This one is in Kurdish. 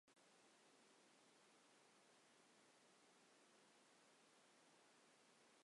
Ebru Gundeş bi karsazekî Kurd re zewicî.